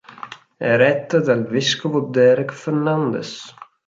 È retta dal vescovo Derek Fernandes.